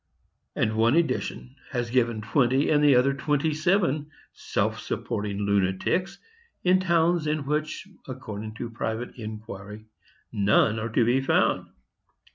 And one edition has given twenty, and the other twenty seven, self supporting lunatics, in towns in which, according to private inquiry, none are to be found.